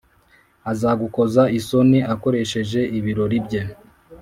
Azagukoza isoni akoresheje ibirori bye,